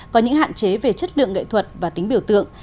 có những hạn chế về chất lượng nghệ thuật và tính biểu tượng